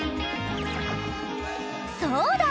そうだ！